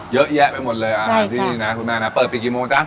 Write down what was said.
เยอะแยะไปหมดเลยอาหารที่นี่นะคุณแม่นะเปิดปิดกี่โมงจ๊ะ